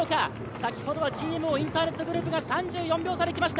先ほどはＧＭＯインターネットグループが３４秒差で来ました。